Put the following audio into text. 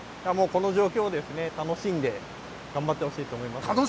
この状況を楽しんで頑張ってほしいと思います。